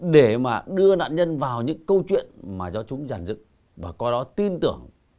để mà đưa nạn nhân vào những câu chuyện mà do chúng giản dựng và coi đó tin tưởng